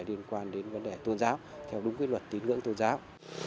liên quan đến vấn đề tôn giáo theo đúng luật tín ngưỡng tôn giáo